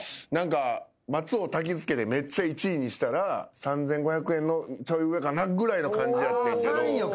松尾をたきつけてめっちゃ１位にしたら３，５００円のちょい上かなぐらいの感じやってんけど。